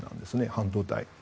半導体。